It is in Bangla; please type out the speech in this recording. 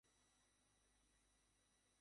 উত্তরের এক লোক।